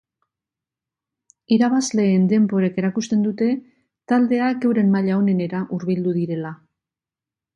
Irabazleen denborek erakusten dute taldeak euren maila onenera hurbildu direla.